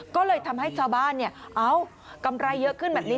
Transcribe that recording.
ก็เลยทำให้ชาวบ้านเอ้ากำไรเยอะขึ้นแบบนี้